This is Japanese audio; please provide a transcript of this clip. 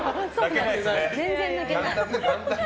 全然泣けない。